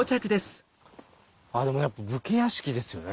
あっでもやっぱ武家屋敷ですよね